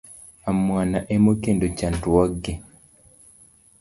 Amwana ema okelo chandruok gi.